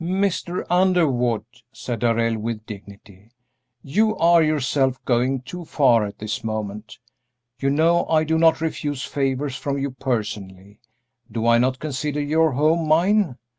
"Mr. Underwood," said Darrell, with dignity, "you are yourself going too far at this moment. You know I do not refuse favors from you personally. Do I not consider your home mine?